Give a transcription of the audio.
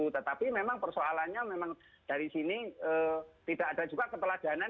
tetapi memang persoalannya memang dari sini tidak ada juga keteladanan